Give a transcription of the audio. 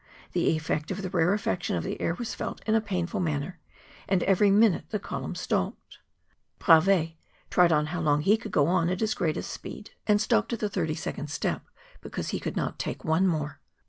The effect of tlie rarefaction of the air was felt in a painful manner; and every minute the column stopped. Bravais tried how long lie could go on at his greatest speed, and stopped at 28 MOUNTAIN ADVENTUEES. the thirty second step, because he could not take one more.